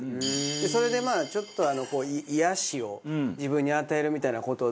それでまあちょっと癒やしを自分に与えるみたいな事で。